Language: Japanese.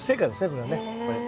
これはね。